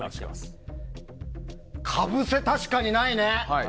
かぶせ、確かにないね。